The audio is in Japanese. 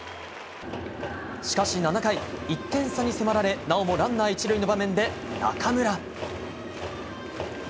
しかし７回、１点差に迫られなおもランナー１塁の場面で中村。